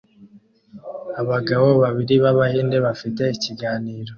Abagabo babiri b'Abahinde bafite ikiganiro